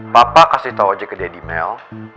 papa kasih tau aja ke daddy mel